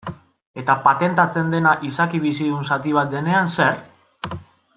Eta patentatzen dena izaki bizidun zati bat denean zer?